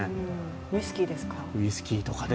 ウイスキーですか？